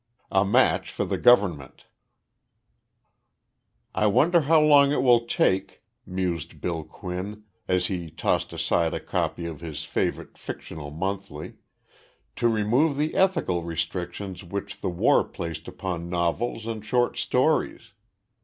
IX A MATCH FOR THE GOVERNMENT "I wonder how long it will take," mused Bill Quinn, as he tossed aside a copy of his favorite fictional monthly, "to remove the ethical restrictions which the war placed upon novels and short stories?